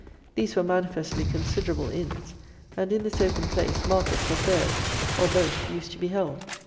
These were manifestly considerable inns, and, in this open place, markets or fairs, or both used to be held.